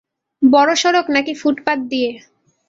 বড় সড়ক নাকি ফুটপাথ দিয়ে?